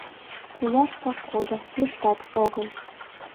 Кияш пушкыдо, йӱштат огыл.